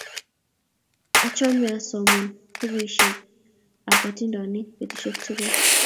Achame asomani pukuisyek ap atindonik petusyek tukul